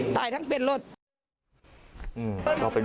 ตายถ้างเปลี่ยนโลด